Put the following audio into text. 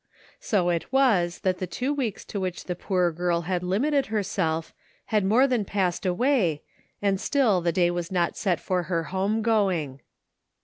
So it was that the two weeks to which the poor girl had limited herself, had more than passed away, and still the day was not set for her home going.